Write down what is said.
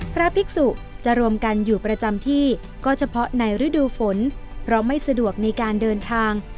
พระภิกษุจะรวมกันอยู่ประจำที่ก็เฉพาะในฤดูฝนเพราะไม่สะดวกในการเดินทาง